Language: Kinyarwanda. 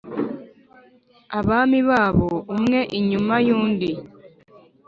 abami babo, umwe inyuma y’undi.